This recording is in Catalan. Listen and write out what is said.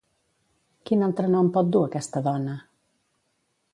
Quin altre nom pot dur aquesta dona?